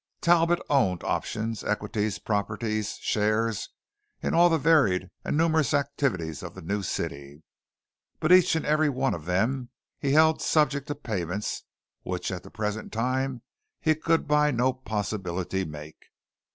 Talbot owned options, equities, properties, shares in all the varied and numerous activities of the new city; but each and every one of them he held subject to payments which at the present time he could by no possibility make.